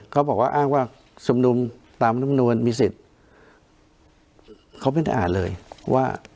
เขาบอกว่าอ้างว่าชุมนุมตามลำนวนมีสิทธิ์เขาไม่ได้อ่านเลยว่า